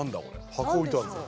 箱置いてあるぞ。